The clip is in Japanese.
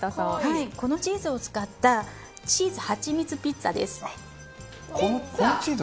このチーズを使ったチーズハチミツピッツァです。